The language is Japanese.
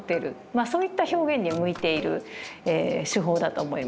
そういった表現に向いている手法だと思います。